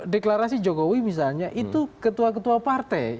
deklarasi jokowi misalnya itu ketua ketua partai